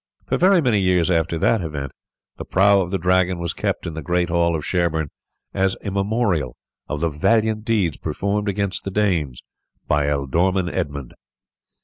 For very many years after that event the prow of the Dragon was kept in the great hall of Sherborne as a memorial of the valiant deeds performed against the Danes by Ealdorman Edmund.